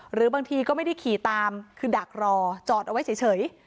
หรือบางทีก็ไม่ได้ขี่ตามคือดักรอจอดเอาไว้เฉย